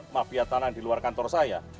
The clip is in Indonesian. mafia tanah di luar kantor saya